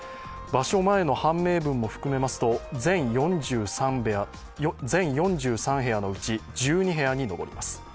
場所前の判明分も含めますと、全４３部屋のうち１２部屋に上ります。